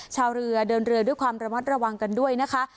ชาวเรือเดินเรือด้วยความระมัดระวังกันด้วยนะคะ